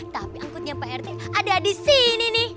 tapi angkotnya pak rt ada di sini